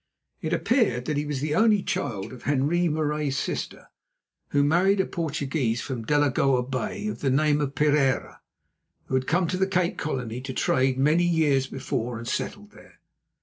It appeared that he was the only child of Henri Marais's sister, who married a Portuguese from Delagoa Bay of the name of Pereira, who had come to the Cape Colony to trade many years before and settled there.